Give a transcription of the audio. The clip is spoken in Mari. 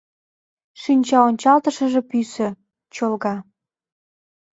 Шинчаончалтышыже пӱсӧ, чолга.